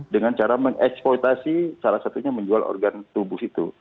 dengan cara mengeksploitasi salah satunya menjual organ tubuh itu